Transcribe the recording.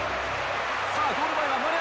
さあ、ゴール前は丸山。